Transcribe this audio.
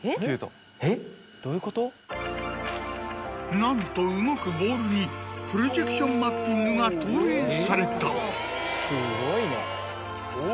なんと動くボールにプロジェクションマッピングが投影された。